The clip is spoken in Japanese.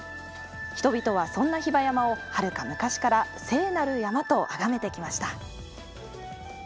人々はそんな比婆山をはるか昔から聖なる山とあがめてきました。